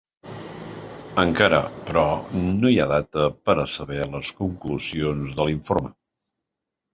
Encara, però, no hi ha data per a saber les conclusions de l’informe.